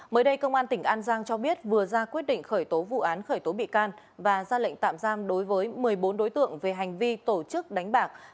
mới đây công an tỉnh an giang cho biết vừa ra quyết định khởi tố vụ án khởi tố bị can và ra lệnh tạm giam đối với một mươi bốn tỷ đồng